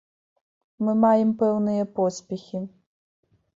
Мы маем пэўныя поспехі.